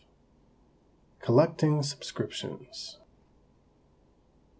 COLLECTING SUBSCRIPTIONS.